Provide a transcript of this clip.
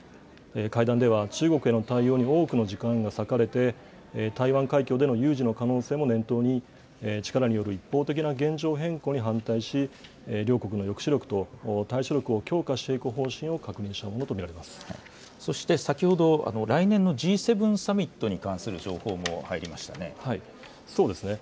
会談では、中国への対応に多くの時間が割かれて、台湾海峡での有事の可能性も念頭に、力による一方的な現状変更に反対し、両国の抑止力と対処力を強化していく方針を確認したものと見られそして先ほど、来年のＧ７サミットに関する情報も入りましたね。